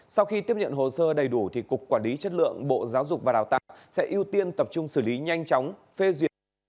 sau khi tiếp nhận hồ sơ đầy đủ thì cục quản lý chất lượng bộ giáo dục và đào tạo sẽ ưu tiên tập trung xử lý nhanh chóng phê duyệt